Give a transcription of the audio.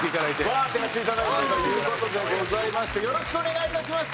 ウワーッてやっていただいてという事でございましてよろしくお願いいたします